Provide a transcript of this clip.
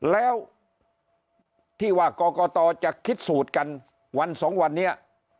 แล้วที่ว่ากรกตจะคิดสูตรกันวันสองวันนี้